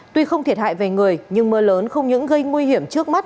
tuy không thiệt hại về người nhưng mưa lớn không những gây nguy hiểm trước mắt